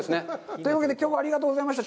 というわけで、きょうはありがとうございました。